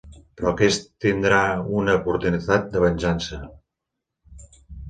Però aquest tindrà una oportunitat de venjança.